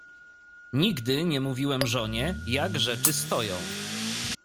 "Nigdy nie mówiłem żonie jak rzeczy stoją."